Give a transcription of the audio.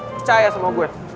percaya sama gue